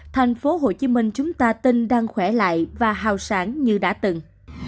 thành phố hồ chí minh chúng ta tin đang khỏe lại và hào sản như đã từng